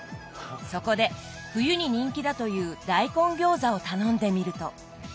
そこで冬に人気だという大根餃子を頼んでみると。